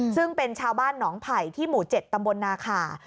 ซึ่งเป็นชาวบ้านหนองไผ่ที่หมู่๗ตำบลนาขา